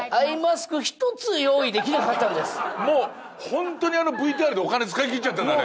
ホントにあのＶＴＲでお金使いきっちゃったんだね。